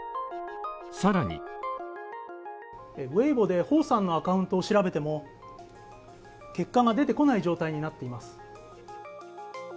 さらにＷｅｉｂｏでホウさんのアカウントを調べても、結果が出てこない状態になっています。